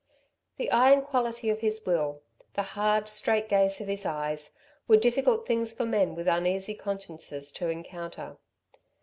The iron quality of his will, the hard, straight gaze of his eyes, were difficult things for men with uneasy consciences to encounter.